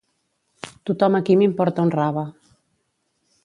Tothom aquí m'importa un rave.